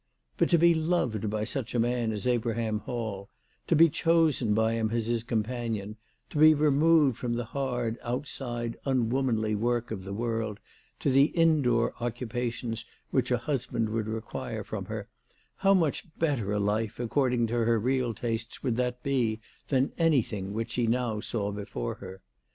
But to be loved by such a man as Abraham Hall, to be chosen by him as his companion, to be removed from the hard, outside, unwomanly work of the world to the indoor occupations which a husband would require from her ; how much better a life accord ing to her real tastes would that be, than anything which she now saw before her